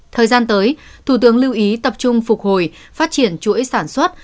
thời gian tới thủ tướng lưu ý tập trung phục hồi phát triển chuỗi sản xuất